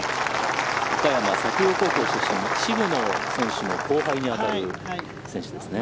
岡山の工業高校出身渋野選手の後輩に当たる選手ですね。